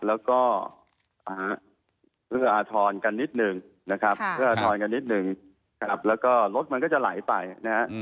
แล้วก็เอื้ออาทรกันนิดนึงนะครับเพื่ออาทรกันนิดนึงครับแล้วก็รถมันก็จะไหลไปนะฮะ